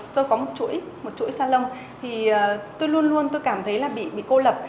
tôi có một chuỗi salon tôi luôn luôn cảm thấy bị cô lập